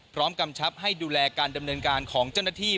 กำชับให้ดูแลการดำเนินการของเจ้าหน้าที่